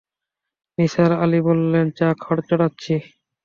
নিসার আলি বললেন, চা চড়াচ্ছি।